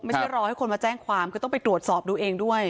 ไม่ใช่รอให้คนมาแจ้งความคือต้องไปตรวจสอบดูเองด้วย